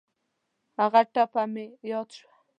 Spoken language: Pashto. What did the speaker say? هغه ټپه مې یاد شوه.